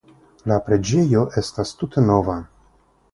La preĝejo estas tute nova.